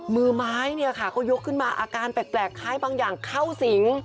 มือไม้เนี่ยค่ะก็ยกขึ้นมาอาการแปลกคล้ายบางอย่างเข้าสิง